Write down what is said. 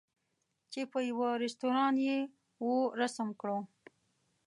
چې په یوه رستوران یې وو رسم کړو.